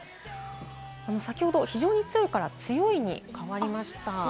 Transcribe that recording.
先ほど非常に強いから、強いに変わりました。